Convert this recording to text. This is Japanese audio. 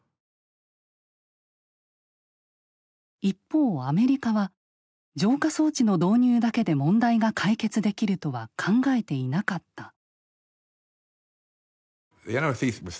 一方アメリカは浄化装置の導入だけで問題が解決できるとは考えていなかった。